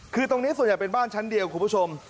คือตรงนี้ส่วนใหญ่เป็นบ้านชั้นเดียวคุณผู้ชม